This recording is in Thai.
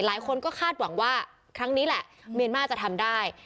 หลายคนก็คาดหวังว่าครั้งนี้แหละเมียนมาร์จะทำได้